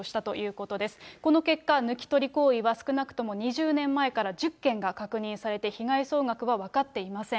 この結果、抜き取り行為は少なくとも２０年前から１０件が確認されて、被害総額は分かっていません。